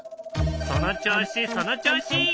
その調子その調子！